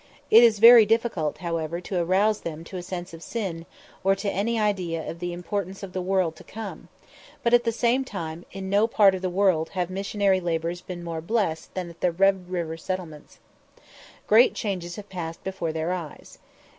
It is very difficult, however, to arouse them to a sense of sin, or to any idea of the importance of the world to come; but at the same time, in no part of the world have missionary labours been more blessed than at the Red River settlements. Great changes have passed before their eyes.